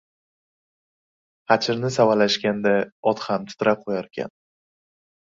• Xachirni savalashganda ot ham titrab qo‘yarkan.